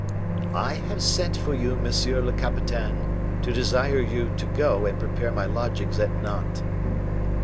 "I have sent for you, monsieur le capitaine, to desire you to go and prepare my lodgings at Nantes."